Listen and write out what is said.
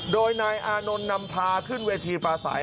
โดยนายอานนท์นำพาขึ้นเวทีปลาใส